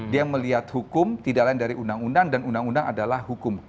dia melihat hukum tidak lain dari undang undang dan undang undang adalah hukum